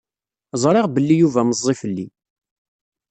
Ẓṛiɣ belli Yuba meẓẓi fell-i.